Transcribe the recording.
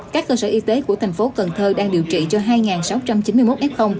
các cơ sở y tế của thành phố cần thơ đang điều trị cho hai sáu trăm chín mươi một f